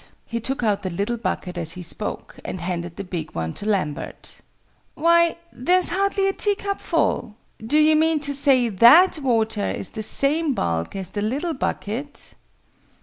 He took out the little bucket as he spoke, and handed the big one to Lambert. "Why, there's hardly a teacupful! Do you mean to say that water is the same bulk as the little bucket?"